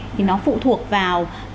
thì nó phụ thuộc vào